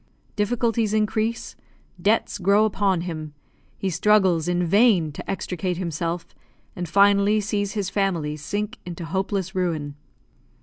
Difficulties increase, debts grow upon him, he struggles in vain to extricate himself, and finally sees his family sink into hopeless ruin.